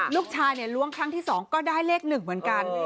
ลูกชายล้วงครั้งที่๒ก็ได้เลข๑เหมือนกัน